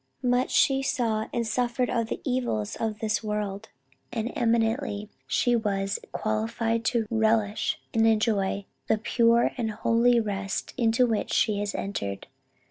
Much she saw and suffered of the evils of this evil world; and eminently was she qualified to relish and enjoy the pure and holy rest into which she has entered.